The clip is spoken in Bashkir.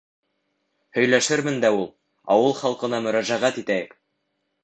— Һөйләшермен дә ул. Ауыл халҡына мөрәжәғәт итәйек.